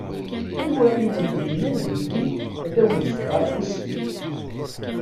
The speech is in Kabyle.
Anwa i wen-d-innan belli ad wen-d-fkeɣ afus?